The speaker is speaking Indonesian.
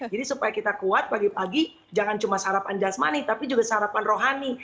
jadi supaya kita kuat pagi pagi jangan cuma sarapan jasmani tapi juga sarapan rohani